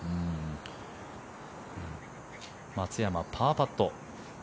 松山、パーパット。